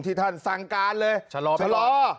ท่านสั่งการเลยชะลอ